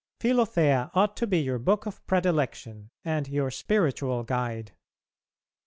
Philothea ought to be your book of predilection and your spiritual guide.